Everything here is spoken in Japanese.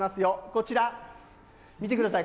こちら、見てください。